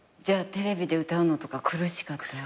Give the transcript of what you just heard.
テレビで歌うのとか苦しかった？